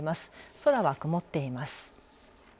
空は曇っています。